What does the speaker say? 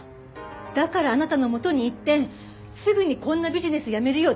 だからあなたの元に行ってすぐにこんなビジネスやめるよう忠告した。